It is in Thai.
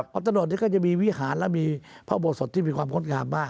วัดตะโนดเนี่ยก็จะมีวิหารและมีพระบกศรที่มีความค้นคามมาก